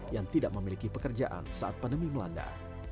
yang tidak memiliki pekerjaan saat pandemi melanda